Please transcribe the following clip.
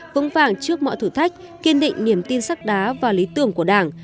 vững vàng trước mọi thử thách kiên định niềm tin sắc đá và lý tưởng của đảng